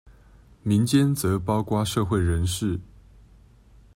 民間則包括社會人士